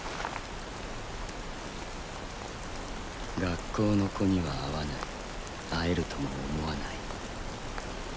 学校の子には会わない会えるとも思わない。